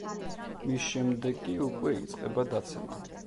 მის შემდეგ კი უკვე იწყება დაცემა.